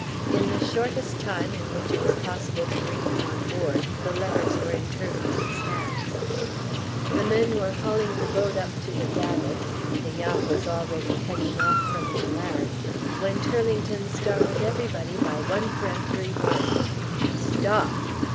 In the shortest time in which it was possible to bring them on board the letters were in Turlington's hands. The men were hauling the boat up to the davits, the yacht was already heading off from the land, when Turlington startled everybody by one peremptory word "Stop!"